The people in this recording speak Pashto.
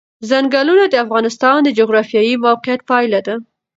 ځنګلونه د افغانستان د جغرافیایي موقیعت پایله ده.